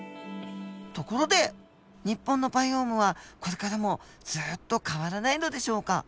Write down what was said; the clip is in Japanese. ところで日本のバイオームはこれからもずっと変わらないのでしょうか？